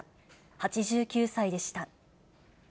８９歳でした。